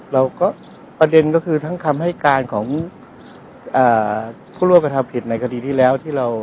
เราก็ประเด็นก็คือทั้งคำให้การของอ่าผู้ร่วงกระทะผิดในคดีที่แล้ว